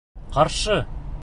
Ҡаршы!